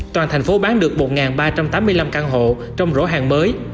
toàn thành phố bán được một ba trăm tám mươi năm căn hộ trong rỗ hàng mới